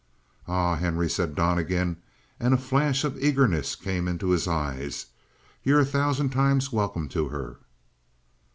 "Ah, Henry," said Donnegan, and a flash of eagerness came in his eyes. "You're a thousand times welcome to her."